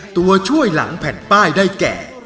ตัวช่วยหลังแผ่นป้ายได้แก่